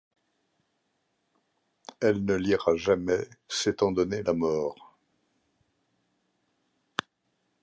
Elle ne le lira jamais s'étant donné la mort.